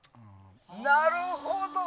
なるほど。